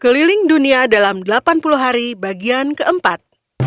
keliling dunia dalam delapan puluh hari bagian keempat